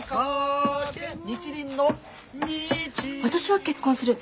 私は結婚する。